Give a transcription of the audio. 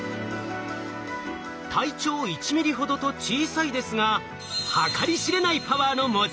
体長１ミリほどと小さいですが計り知れないパワーの持ち主なんです。